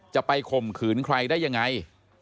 ไปข่มขืนใครได้ยังไง